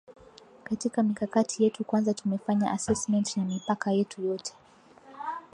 katika mikakati yetu kwanza tumefanya assessment ya mipaka yetu yote